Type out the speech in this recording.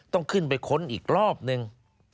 ต้องขึ้นไปค้นอีกรอบนึง